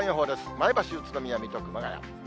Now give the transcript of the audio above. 前橋、宇都宮、水戸、熊谷。